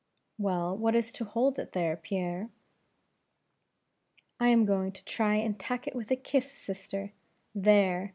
"Well, what is to hold it there, Pierre?" "I am going to try and tack it with a kiss, sister, there!